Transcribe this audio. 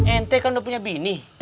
ente kan udah punya binih